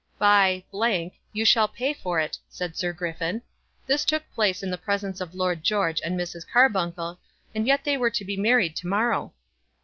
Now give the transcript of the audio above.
"By , you shall pay for it!" said Sir Griffin. This took place in the presence of Lord George and Mrs. Carbuncle, and yet they were to be married to morrow.